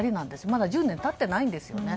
まだ１０年経ってないんですよね。